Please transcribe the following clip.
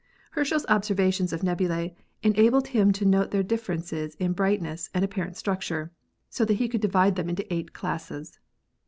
Herschel's observations of nebulae enabled him to note their differences in bright ness and apparent structure so that he could divide them into eight classes.